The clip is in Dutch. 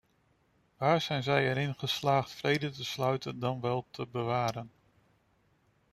Waar zijn zij erin geslaagd vrede te sluiten, dan wel te bewaren?